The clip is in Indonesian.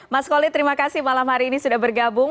mas koli terima kasih malam hari ini sudah bergabung